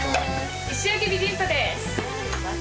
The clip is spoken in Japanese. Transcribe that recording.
石焼ビビンパです。